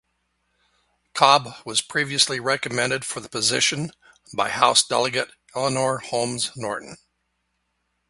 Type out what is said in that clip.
Cobb was previously recommended for the position by House Delegate Eleanor Holmes Norton.